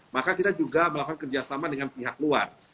maka kita juga melakukan kerjasama dengan pihak luar